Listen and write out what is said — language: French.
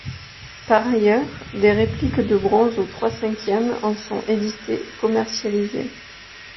Par ailleurs, des répliques de bronze aux trois cinquième en sont éditées et commercialisées.